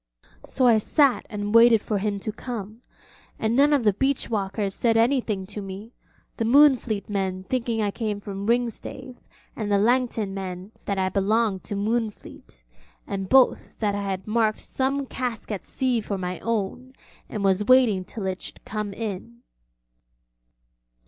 So I sat and waited for him to come; and none of the beach walkers said anything to me, the Moonfleet men thinking I came from Ringstave, and the Langton men that I belonged to Moonfleet; and both that I had marked some cask at sea for my own and was waiting till it should come in.